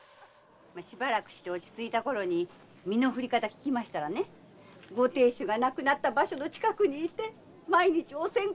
しばらくして落ち着いたころに身の振り方を聞いたらご亭主が亡くなった場所の近くで毎日お線香をあげたいって。